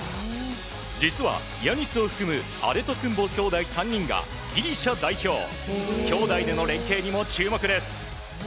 実は、ヤニスを含むアデトクンボ３兄弟がギリシャ代表。兄弟での連係にも注目です。